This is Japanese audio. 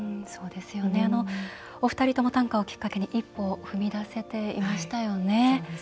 お二人とも短歌をきっかけに一歩を踏み出せていましたよね。